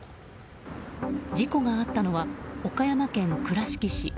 事故があったのは岡山県倉敷市。